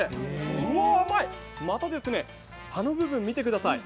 うわ甘い、また葉の部分見てください。